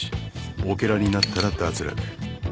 オケラになったら脱落。